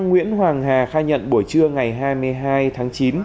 nguyễn hoàng hà khai nhận buổi trưa ngày hai mươi hai tháng chín